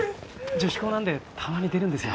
女子校なんでたまに出るんですよ